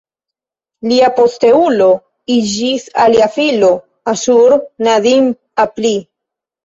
Lia posteulo iĝis alia filo, Aŝur-nadin-apli.